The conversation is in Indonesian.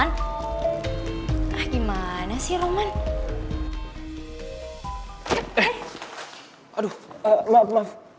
ngumbuk satu rumah sakit cuma buat nyari roman